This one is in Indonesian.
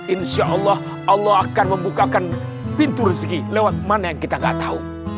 insya allah allah akan membukakan pintu rezeki lewat mana yang kita gak tahu